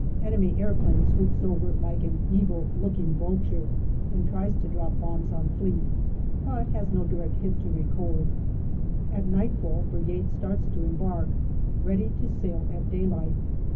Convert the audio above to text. Enemy aeroplane swoops over like an evil looking vulture and tries to drop bombs on Fleet, but has no direct hit to record. At nightfall Brigade starts to embark, ready to sail at daylight.